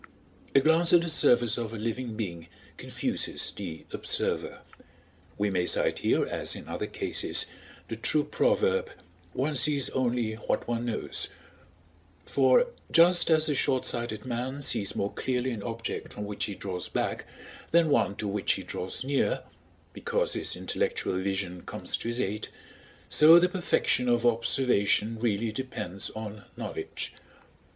A glance at the surface of a living being confuses the observer; we may cite here, as in other cases, the true proverb, "One sees only what one knows" For just as a short sighted man sees more clearly an object from which he draws back than one to which he draws near, because his intellectual vision comes to his aid, so the perfection of observation really depends on knowledge.